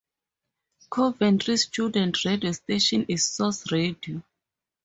Coventry's student radio station is Source Radio.